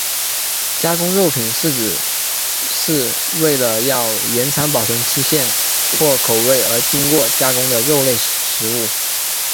加工肉品指的是为了要延长保存期限或口味而经过加工的肉类食物。